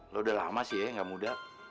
lo udah lama sih ya gak muda